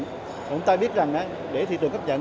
chúng ta biết rằng để thị trường cấp nhận